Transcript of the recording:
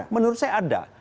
menurut saya ada